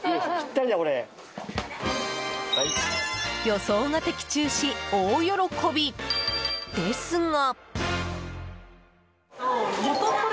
予想が的中し、大喜び！ですが。